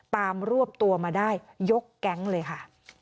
รวบตัวมาได้ยกแก๊งเลยค่ะ